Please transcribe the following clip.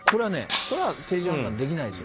それは政治判断、できないですよ。